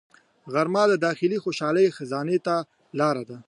غرمه د داخلي خوشحالۍ خزانې ته لار ده